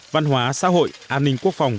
văn hóa xã hội an ninh quốc phòng